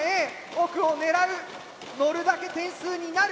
奥を狙うのるだけ点数になる。